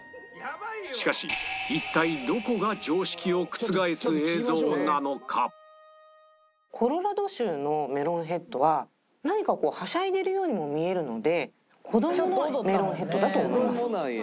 しかし一体コロラド州のメロンヘッドは何かこうはしゃいでいるようにも見えるので子どものメロンヘッドだと思います。